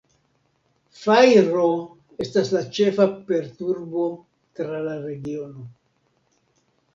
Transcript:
Fajro estas la ĉefa perturbo tra la regiono.